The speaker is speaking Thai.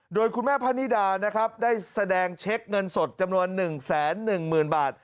โดยคุณแม่พะนิดาได้แสดงเช็คเงินสดจำนวน๑แสน๑หมื่นบาท